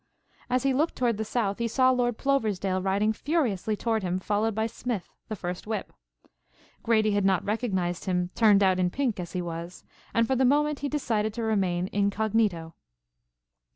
As he looked toward the south, he saw Lord Ploversdale riding furiously toward him followed by Smith, the first whip. Grady had not recognized him turned out in pink as he was, and for the moment he decided to remain incognito.